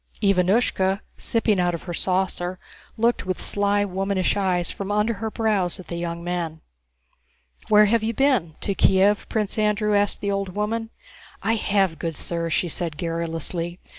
Ivánushka, sipping out of her saucer, looked with sly womanish eyes from under her brows at the young men. "Where have you been? To Kiev?" Prince Andrew asked the old woman. "I have, good sir," she answered garrulously.